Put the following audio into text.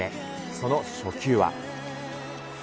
その初球は。